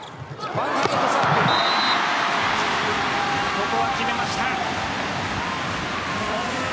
ここは決めました。